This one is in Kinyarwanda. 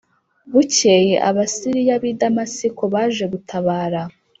Bukeye abasiriya b i damasiko baje gutabara